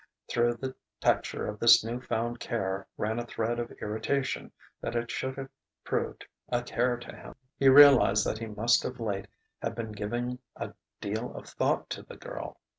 Through the texture of this new found care ran a thread of irritation that it should have proved a care to him. He realized that he must of late have been giving a deal of thought to the girl.